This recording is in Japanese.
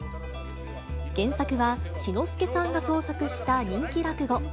原作は志の輔さんが創作した人気落語。